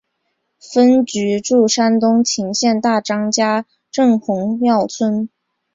分局驻山东莘县大张家镇红庙村。